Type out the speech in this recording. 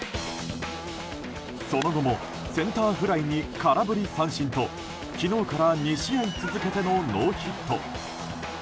その後もセンターフライに空振り三振と昨日から２試合続けてのノーヒット。